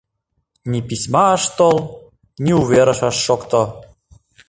Ни письма ыш тол, ни увер ыш шокто.